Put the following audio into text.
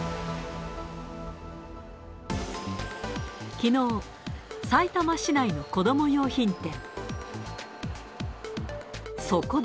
きのう、さいたま市内の子ども用品店。